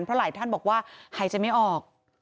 เพราะหลายท่านบอกว่าหายใจไม่ออก